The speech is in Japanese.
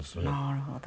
なるほど。